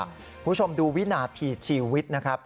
คุณผู้ชมดูวินาทีชีวิตนะครับ